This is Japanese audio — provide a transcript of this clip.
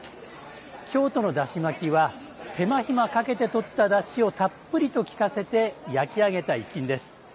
京都のだし巻きは手間暇かけてとっただしをたっぷりと利かせて焼き上げた一品です。